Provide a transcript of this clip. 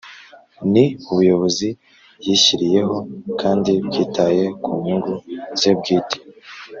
Ni ubuyobozi yishyiriyeho kandi bwitaye ku nyungu ze bwite